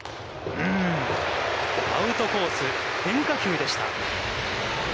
アウトコース、変化球でした。